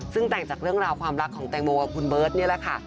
ซึ่งแต่งจากเรื่องราวความรักของแตงโมกับคุณเบิร์ตนี่แหละค่ะ